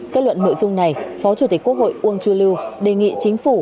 kết luận nội dung này phó chủ tịch quốc hội uông chu lưu đề nghị chính phủ